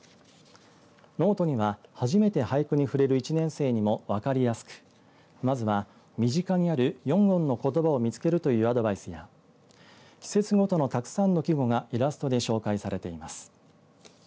ノートには、初めて俳句に触れる１年生にも分かりやすくまずは身近にある４音のことばを見つけるというアドバイスや季節ごとのたくさんの季語がイラストで紹介されています。